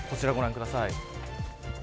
こちらご覧ください。